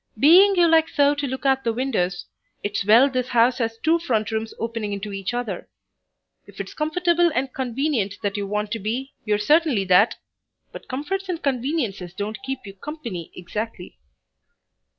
"Being you like so to look out the windows, it's well this house has two front rooms opening into each other. If it's comfortable and convenient that you want to be, you're certainly that, but comforts and conveniences don't keep you company exactly."